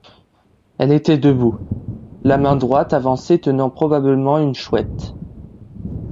Elle était debout, la main droite avancée tenant probablement une chouette.